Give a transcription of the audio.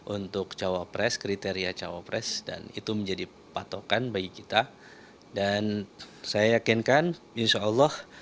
untuk cawapres kriteria cawapres dan itu menjadi patokan bagi kita dan saya yakinkan insyaallah